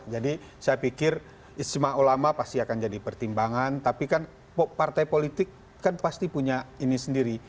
jadi saya pikir istimewa ulama pasti akan jadi pertimbangan tapi kan partai politik kan pasti punya ini sendiri